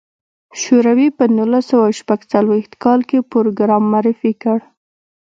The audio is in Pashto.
شوروي په نولس سوه شپږ څلوېښت کال کې پروګرام معرفي کړ.